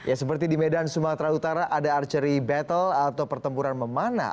ya seperti di medan sumatera utara ada archery battle atau pertempuran memana